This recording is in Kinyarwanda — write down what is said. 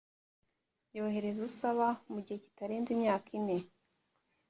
yoherereza usaba mugihe kitarenze imyaka ine